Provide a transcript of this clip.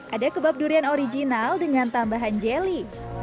ada kebab durian original dengan tambahan jelly